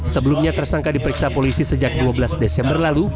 sebelumnya tersangka diperiksa polisi sejak dua belas desember lalu